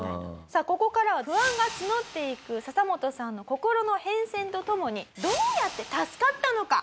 さあここからは不安が募っていくササモトさんの心の変遷と共にどうやって助かったのか？